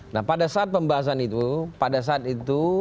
nah pada saat pembahasan itu pada saat itu